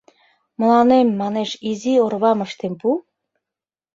Мыланем, манеш, изи орвам ыштен пу.